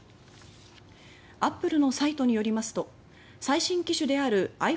アップルのサイトによりますと最新機種であるｉＰｈｏｎｅ